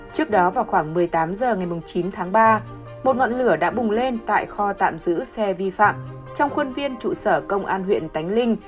trước đó vào khoảng một mươi tám h ngày chín tháng ba một ngọn lửa đã bùng lên tại kho tạm giữ xe vi phạm trong khuôn viên trụ sở công an huyện tánh linh